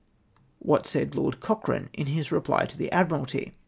What said Lord Cochrnne in his reply to the Admiralty?